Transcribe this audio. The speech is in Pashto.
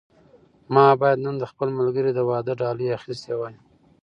ما باید نن د خپل ملګري د واده ډالۍ اخیستې وای.